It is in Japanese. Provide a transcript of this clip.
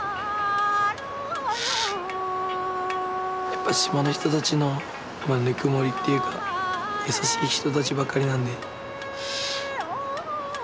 やっぱ島の人たちのぬくもりっていうか優しい人たちばっかりなんで。